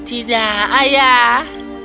tidak ayah lebih besar